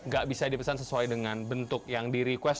gak bisa dipesan sesuai dengan bentuk yang di request